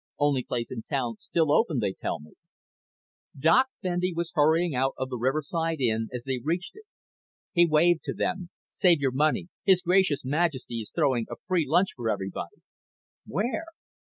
Only place in town still open, they tell me." Doc Bendy was hurrying out of the Riverside Inn as they reached it. He waved to them. "Save your money. His Gracious Majesty is throwing a free lunch for everybody." "Where?"